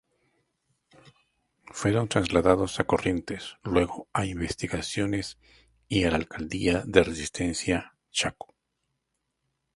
Fueron trasladados a Corrientes, luego a Investigaciones y a la Alcaldía de Resistencia, Chaco.